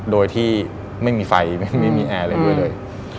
โดยที่ไม่มีไฟไม่มีแอร์เลย